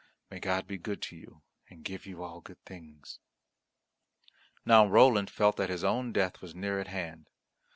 May God be good to you and give you all good things!" Now Roland felt that his own death was near at hand.